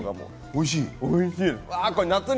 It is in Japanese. おいしい。